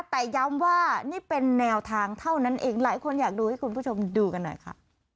แต่ย้ำว่านี่เป็นแนวทางเท่านั้นเองหลายคนอยากดูให้คุณผู้ชมดูกันหน่อยค่ะ